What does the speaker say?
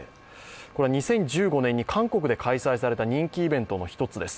これは２０１５年に韓国で開催された人気イベントの一つです